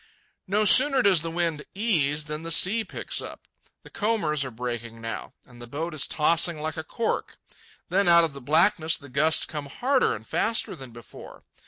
No sooner does the wind ease than the sea picks up. The combers are breaking now, and the boat is tossing like a cork. Then out of the blackness the gusts come harder and faster than before.